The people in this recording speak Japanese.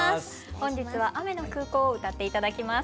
本日は「雨の空港」を歌って頂きます。